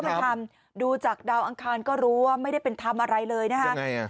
ไปทำดูจากดาวอังคารก็รู้ว่าไม่ได้เป็นทำอะไรเลยนะคะ